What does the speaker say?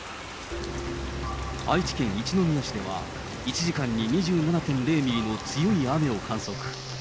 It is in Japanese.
愛知県一宮市では、１時間に２７．０ミリの強い雨を観測。